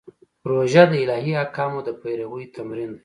روژه د الهي احکامو د پیروي تمرین دی.